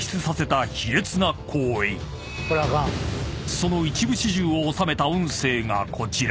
［その一部始終を収めた音声がこちら］